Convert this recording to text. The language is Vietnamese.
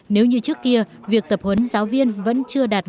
nếu như trước kia việc tập huấn giáo viên vẫn chưa đạt được